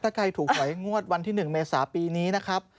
ถ้าใครถูกหอยงวดวันที่๑เมษาปีนี้นะครับ